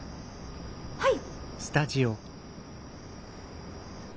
はい。